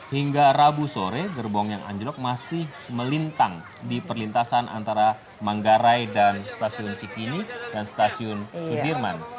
hingga rabu sore gerbong yang anjlok masih melintang di perlintasan antara manggarai dan stasiun cikini dan stasiun sudirman